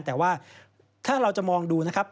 แต่ว่าถ้าเราจะมองดูนะครับ